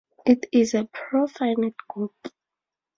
It is a profinite group.